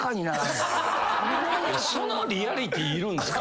そのリアリティーいるんですか？